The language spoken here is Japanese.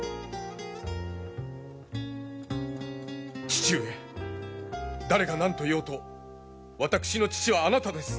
父上誰が何と言おうと私の父はあなたです。